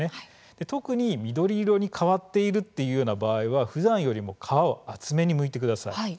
特に緑色に変わっているような場合は、ふだんよりも皮を厚めにむいてください。